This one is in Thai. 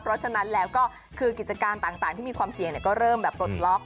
เพราะฉะนั้นแล้วก็คือกิจการต่างที่มีความเสี่ยงก็เริ่มแบบปลดล็อก